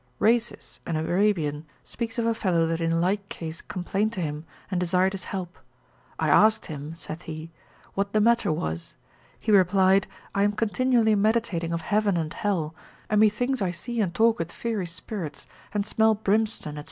Rhasis an Arabian, cont. lib. 1. cap. 9, speaks of a fellow that in like case complained to him, and desired his help: I asked him (saith he) what the matter was; he replied, I am continually meditating of heaven and hell, and methinks I see and talk with fiery spirits, and smell brimstone, &c.